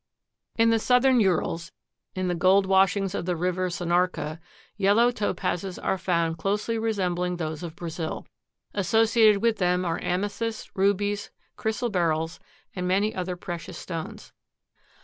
In the southern Urals, in the gold washings of the River Sanarka, yellow Topazes are found closely resembling those of Brazil. Associated with them are amethysts, rubies, chrysoberyls and many other precious stones.